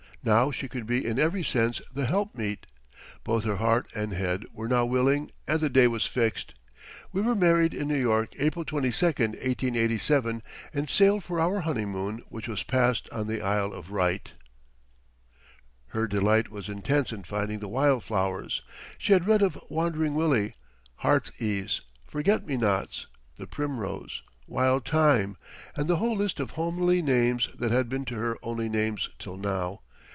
Now she could be in every sense the "helpmeet." Both her heart and head were now willing and the day was fixed. We were married in New York April 22, 1887, and sailed for our honeymoon which was passed on the Isle of Wight. [Illustration: ANDREW CARNEGIE (ABOUT 1878)] Her delight was intense in finding the wild flowers. She had read of Wandering Willie, Heartsease, Forget me nots, the Primrose, Wild Thyme, and the whole list of homely names that had been to her only names till now.